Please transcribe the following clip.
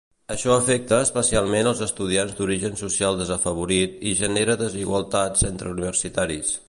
Això afecta especialment els estudiants d'origen social desafavorit i genera desigualtats entre universitaris.